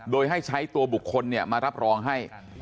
โดยให้ใช้ตัวบุคคลมารับรองให้